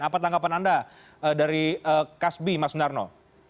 apa tanggapan anda dari kasbi mas sundarno